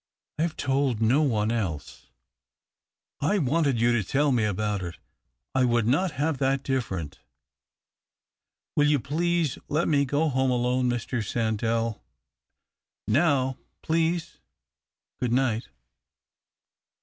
I have told no one else." " I wanted you to tell me about it — I would not have that different. Will you please let me go home alone, Mr. Sandell ? Now, please, o;ood nio; ht."